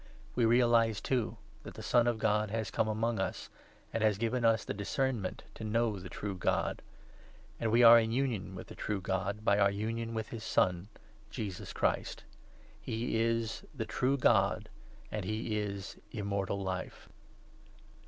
We realize, too, that the Son of God has come among us, and 20 has given us the discernment to know the True God ; and we are in union with the True God by our union with his Son, Jesus Christ. He is the True God and he is Immortal Life.